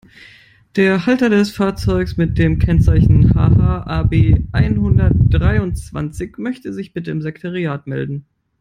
Der Halter des Fahrzeugs mit dem Kennzeichen HH-AB-einhundertdreiundzwanzig möchte sich bitte im Sekretariat melden.